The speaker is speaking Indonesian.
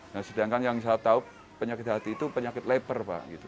nah sedangkan yang saya tahu penyakit hati itu penyakit lapar pak